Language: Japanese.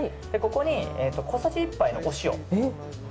ここに小さじ１杯のお塩。